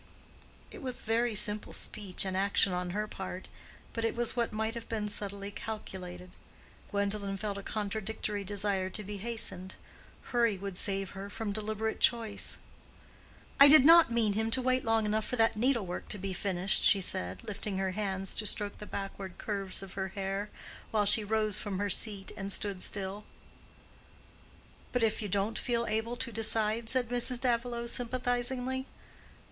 It was very simple speech and action on her part, but it was what might have been subtly calculated. Gwendolen felt a contradictory desire to be hastened: hurry would save her from deliberate choice. "I did not mean him to wait long enough for that needlework to be finished," she said, lifting her hands to stroke the backward curves of her hair, while she rose from her seat and stood still. "But if you don't feel able to decide?" said Mrs. Davilow, sympathizingly.